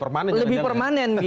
lintas ideologi lebih permanen